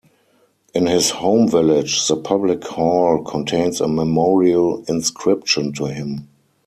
In his home village, the public hall contains a memorial inscription to him.